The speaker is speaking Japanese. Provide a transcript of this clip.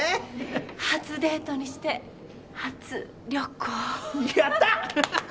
初デートにして初旅行やった！